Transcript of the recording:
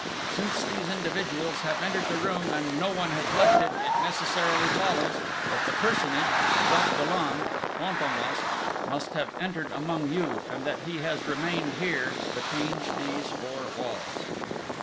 Since these individuals have entered the room, and no one has left it, it necessarily follows that the personage, Jacques Dollon Fantômas, must have entered among you, and that he has remained here, between these four walls."